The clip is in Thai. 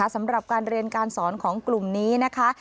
สำหรับการเรียนการสอนของกลุ่มนี้นะคะ